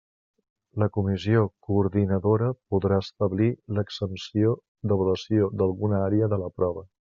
La Comissió Coordinadora podrà establir l'exempció d'avaluació d'alguna àrea de la prova.